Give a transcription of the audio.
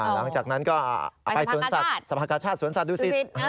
หลังจากนั้นก็ไปสมภาคชาติสมภาคชาติสวนศาสตร์ดูสิต